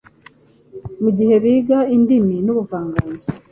Mu gihe biga indimi n’ubuvanganzo,